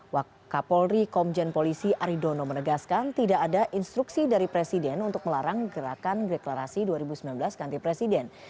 wak kapolri komjen polisi aridono menegaskan tidak ada instruksi dari presiden untuk melarang gerakan deklarasi dua ribu sembilan belas ganti presiden